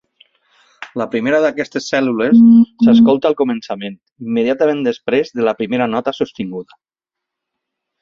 La primera d'aquestes cèl·lules s'escolta al començament, immediatament després de la primera nota sostinguda.